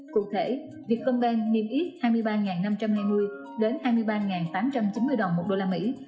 cụ thể việt công ben niêm yết hai mươi ba năm trăm hai mươi đến hai mươi ba tám trăm chín mươi đồng một đô la mỹ